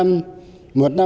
mỗi người dân việt nam